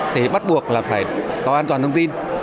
thì bắt buộc là phải có an toàn thông tin